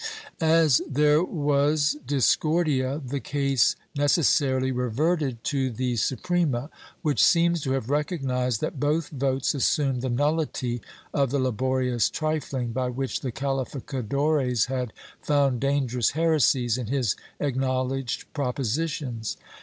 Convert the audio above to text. As there was discordia the case necessarily reverted to the Suprema, which seems to have recognized that both votes assumed the nullity of the laborious trifling, by which the calificadores had found dangerous heresies in his acknowledged propositions.